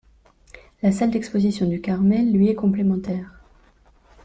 La salle d'exposition du Carmel lui est complémentaire.